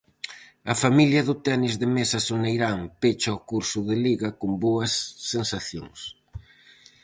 A familia do tenis de mesa soneirán pecha o curso de liga con boas sensacións.